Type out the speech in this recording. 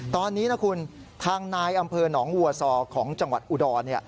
ตอนนี้นะคุณทางนายอำเภอหนองวัวซอของจังหวัดอุดร